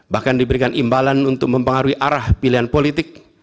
bahkan diberikan imbalan untuk mempengaruhi arah pilihan politik